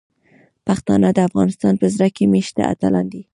پښتانه د افغانستان په زړه کې میشته اتلان دي.